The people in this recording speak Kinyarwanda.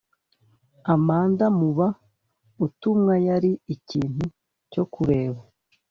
amanda mub utumwa yari ikintu cyo kureba